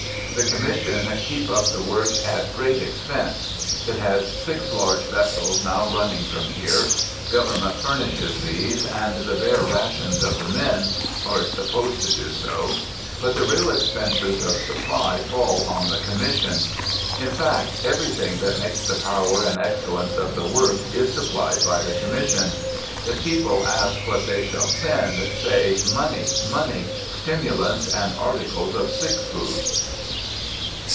The Commission keep up the work at great expense. It has six large vessels now running from here. Government furnishes these, and the bare rations of the men, (or is supposed to do so,) but the real expenses of supply fall on the Commission; in fact, everything that makes the power and excellence of the work is supplied by the Commission. If people ask what they shall send, say, "Money, money, stimulants, and articles of sick food."